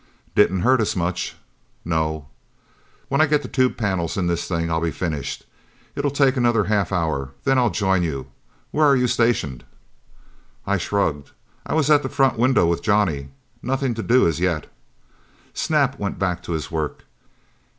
"Didn't hurt us much." "No." "When I get the tube panels in this thing I'll be finished. It'll take another half hour. Then I'll join you. Where are you stationed?" I shrugged. "I was at a front window with Johnny. Nothing to do as yet." Snap went back to his work.